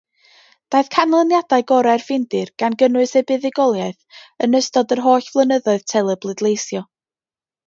Daeth canlyniadau gorau'r Ffindir, gan gynnwys ei buddugoliaeth, yn ystod yr holl flynyddoedd telebleidleisio.